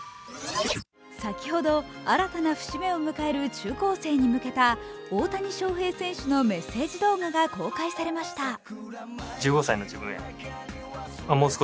先ほど新たな節目を迎える中高生に向けた大谷翔平選手のメッセージ動画が公開されました。